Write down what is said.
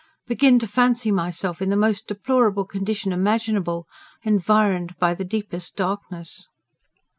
begin to fancy myself in the most deplorable condition imaginable, environed by the deepest darkness."